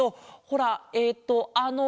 ほらえっとあの。